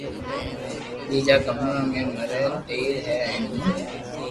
ٻيجا ڪمرا مي مري ٻير ھين ھون ھون